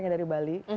saya dari bali